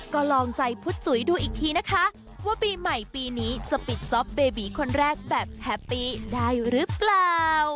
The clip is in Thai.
ก็ลองใจพุทธจุ๋ยดูอีกทีนะคะว่าปีใหม่ปีนี้จะปิดจ๊อปเบบีคนแรกแบบแฮปปี้ได้หรือเปล่า